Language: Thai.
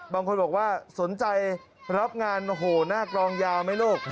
บางคนบอกว่าสนใจรับงานโอ้โหหน้ากรองยาวไหมลูก